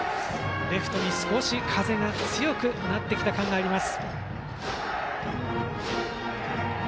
レフトに、少し風が強くなってきた感があります。